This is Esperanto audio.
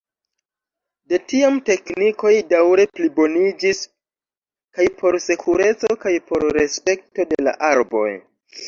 De tiam teknikoj daŭre pliboniĝis kaj por sekureco kaj por respekto de la arboj.